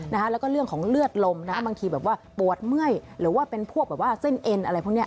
แล้วก็เรื่องของเลือดลมนะคะบางทีแบบว่าปวดเมื่อยหรือว่าเป็นพวกแบบว่าเส้นเอ็นอะไรพวกนี้